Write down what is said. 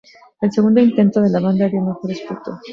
El segundo intento de la banda dio mejores frutos.